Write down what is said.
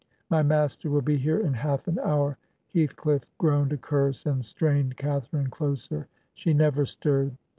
'My master will be here in half an hour.' Heathcliff groaned a curse, and strained Catharine closer: she never stirred.